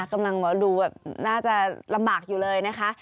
กำลังดูแบบน่าจะลำบากอยู่เลยนะคะ